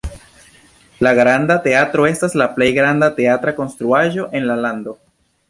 La Granda Teatro estas la plej granda teatra konstruaĵo en la lando.